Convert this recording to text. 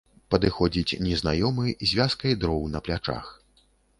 Падыходзіць незнаёмы з вязкай дроў на плячах.